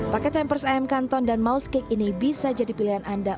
paket hampers ayam kanton dan mouse cake ini bisa jadi pilihan anda